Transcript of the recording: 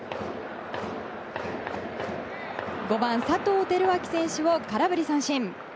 ５番、佐藤輝明選手を空振り三振。